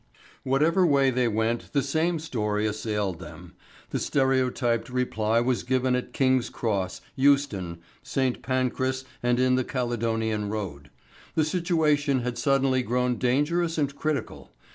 Whatever way they went the same story assailed them. The stereotyped reply was given at King's Cross, Euston, St. Pancras and in the Caledonian Road. The situation had suddenly grown dangerous and critical.